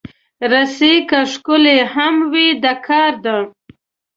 رسۍ که ښکلې هم وي، د کار ده.